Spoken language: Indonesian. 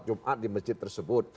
jumat di masjid tersebut